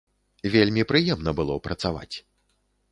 Вельмі прыемна было працаваць.